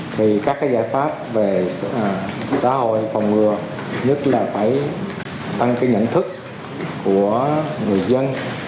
thì các cái giải pháp về xã hội phòng ngừa nhất là phải tăng cái nhận thức của người dân